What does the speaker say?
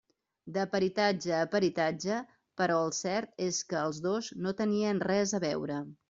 De peritatge a peritatge, però el cert és que els dos no tenien res a veure.